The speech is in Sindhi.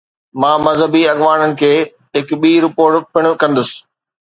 مان مذهبي اڳواڻن کي هڪ ٻي رپورٽ پڻ ڪندس.